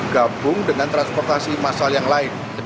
gabung dengan transportasi massal yang lain